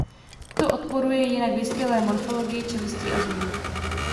To odporuje jinak vyspělé morfologii čelistí a zubů.